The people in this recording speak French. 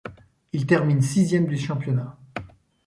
Il termine sixième du championnat.